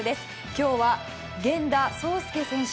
今日は源田壮亮選手。